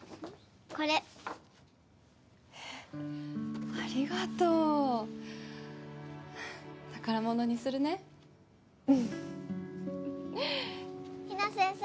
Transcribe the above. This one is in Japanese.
これえっありがとう宝物にするね比奈先生